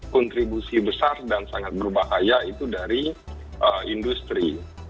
kontribusi besar dan sangat berbahaya itu dari industri